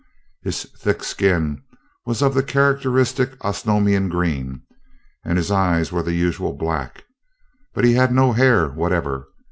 His thick skin was of the characteristic Osnomian green and his eyes were the usual black, but he had no hair whatever.